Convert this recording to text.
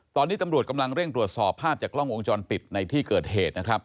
ตอนนี้ตำรวจกำลังเร่งตรวจสอบภาพจากกล้องวงจรปิดในที่เกิดเหตุนะครับ